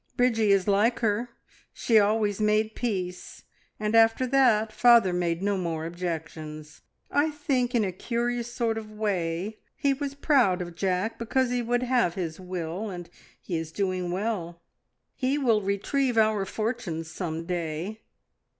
Bridgie is like her, she always made peace and after that father made no more objections. I think, in a curious sort of way, he was proud of Jack because he would have his will, and he is doing well. He will retrieve our fortunes some fine day.